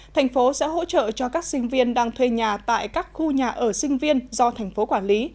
tp sẽ hỗ trợ cho các sinh viên đang thuê nhà tại các khu nhà ở sinh viên do tp quản lý